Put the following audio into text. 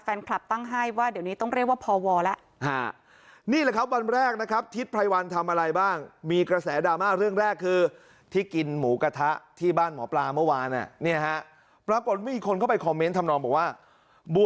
แฟนคลับตั้งให้ว่าเดี๋ยวนี้ต้องเรียกว่าพวแล้ว